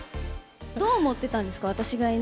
どう思ってたんですか？